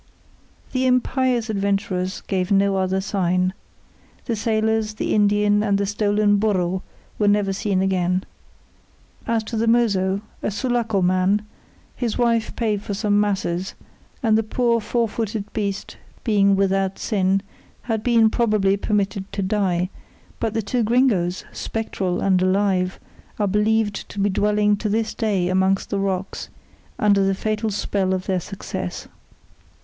The impious adventurers gave no other sign. The sailors, the Indian, and the stolen burro were never seen again. As to the mozo, a Sulaco man his wife paid for some masses, and the poor four footed beast, being without sin, had been probably permitted to die; but the two gringos, spectral and alive, are believed to be dwelling to this day amongst the rocks, under the fatal spell of their success.